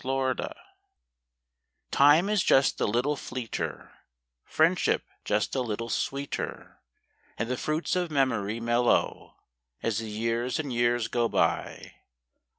A597234 IME is "just a little fleeter; priendship just a little sweeter; And the jruits of memoru mellcrcO ' I As the Ljears and Ejears ao btj.